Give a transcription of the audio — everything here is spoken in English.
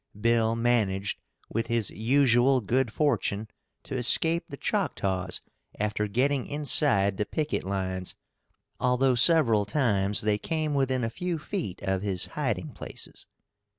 Bill managed, with his usual good fortune, to escape the Choctaws after getting inside the picket lines, although several times they came within a few feet of his hiding places.